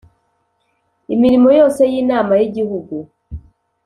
imirimo yose y inama y igihugu